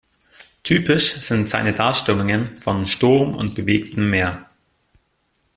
Typisch sind seine Darstellungen von Sturm und bewegtem Meer.